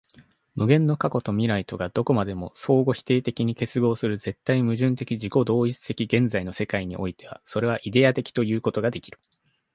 無限の過去と未来とがどこまでも相互否定的に結合する絶対矛盾的自己同一的現在の世界においては、それはイデヤ的ということができる。